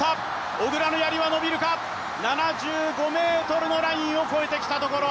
小椋のやりは伸びるか、７５ｍのラインを超えてきたところ。